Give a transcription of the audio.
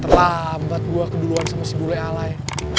terlambat gua keduluan sama si bule alay